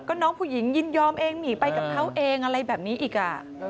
ก็น้องผู้หญิงยินยอมเองหนีไปกับเขาเองอะไรแบบนี้อีก